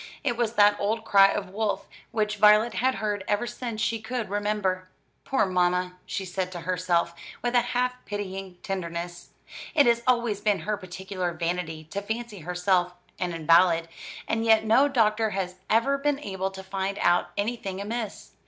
It was that old cry of "wolf," which Violet had heard ever since she could remember. "Poor mamma!" she said to herself, with a half pitying tenderness, "it has always been her particular vanity to fancy herself an invalid; and yet no doctor has ever been able to find out anything amiss.